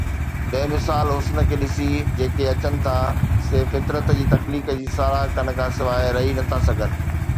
بي مثال حسن کي ڏسي، جيڪي اچن ٿا سي فطرت جي تخليق جي ساراهه ڪرڻ کان سواءِ رهي نٿا سگهن.